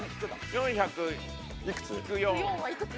４００−４。はいくつ？